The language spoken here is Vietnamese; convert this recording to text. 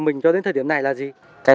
mình cho đến thời điểm này là gì cái